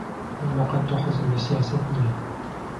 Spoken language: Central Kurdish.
من بەقەد تۆ حەزم لە سیاسەت نییە.